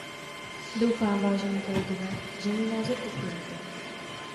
Doufám, vážení kolegové, že můj názor podpoříte.